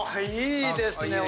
いいですね！